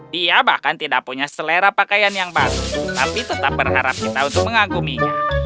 dia bahkan tidak punya selera pakaian yang baru tapi tetap berharap kita untuk mengaguminya